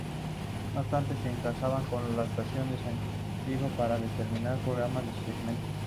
No obstante, se enlazaban con la estación de Santiago para determinados programas o segmentos.